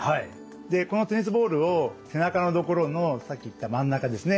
このテニスボールを背中の所のさっき言った真ん中ですね